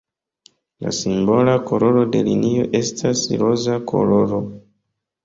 La simbola koloro de linio estas roza koloro.